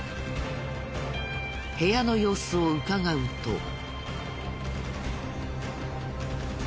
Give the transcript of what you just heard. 部屋の様子をうかがうと。